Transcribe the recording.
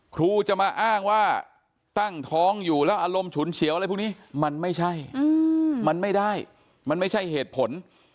ครูจะมาอ้างว่าตั้งท้องอยู่แล้วอารมณ์ฉุนเฉียวอะไรพวกนี้มันไม่ใช่มันไม่ได้มันไม่ใช่เหตุผล